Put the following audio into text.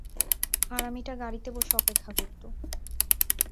হারামিটা গাড়িতে বসে অপেক্ষা করতো।